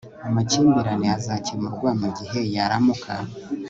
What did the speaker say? amakimbirane azakemurwa mugihe yaramuka